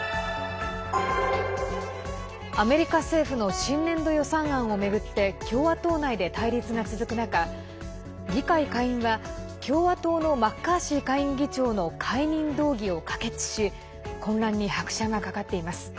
アメリカ政府の新年度予算案を巡って共和党内で対立が続く中議会下院は共和党のマッカーシー下院議長の解任動議を可決し混乱に拍車がかかっています。